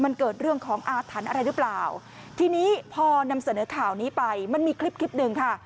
มันเกิดเรื่องของอาถรรพ์อะไรหรือเปล่าทีนี้พอนำเสนอข่าวนี้ไปมันมีคลิปคลิปหนึ่งค่ะ